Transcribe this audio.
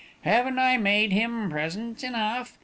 Haven't I made him presents enough?